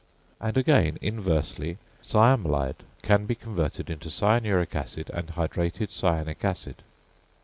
And, again inversely, cyamelide can be converted into cyanuric acid and hydrated cyanic acid.